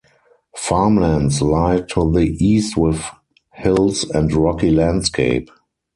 Farmlands lie to the east with hills and rocky landscape.